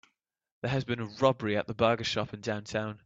There has been a robbery at the burger shop in downtown.